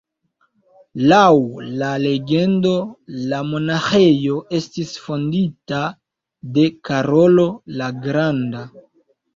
Laŭ la legendo la monaĥejo estis fondita de Karolo la Granda.